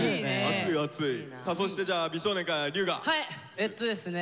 えっとですね